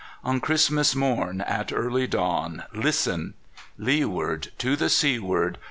On Christmas morn, At early dawn, Listen! Leeward, To the seaward.